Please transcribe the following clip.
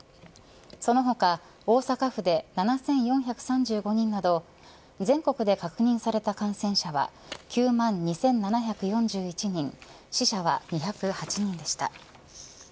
その他大阪府で７４３５人など全国で確認された感染者は９万２７４１人死者は２０８人でした。